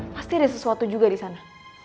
pasti ada sesuatu juga di sana